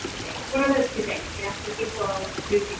This was won by Fluminense.